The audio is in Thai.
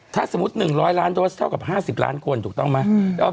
ถ้าสมมุติ๑๐๐ล้านโดสเท่ากับ๕๐ล้านคนถูกต้องไหม